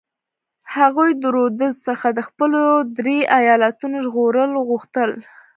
هغوی د رودز څخه د خپلو درې ایالتونو ژغورل غوښتل.